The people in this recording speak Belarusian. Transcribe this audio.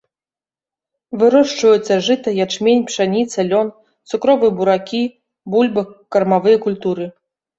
Вырошчваюцца жыта, ячмень, пшаніца, лён, цукровыя буракі, бульба, кармавыя культуры.